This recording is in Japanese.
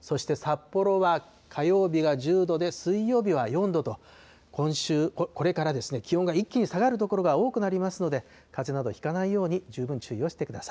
そして札幌は火曜日が１０度で、水曜日は４度と、今週これからですね、気温が一気に下がる所が多くなりますので、かぜなどひかないように十分注意をしてください。